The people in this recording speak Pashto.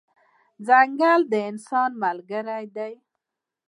ځنګل د انسان ملګری دی.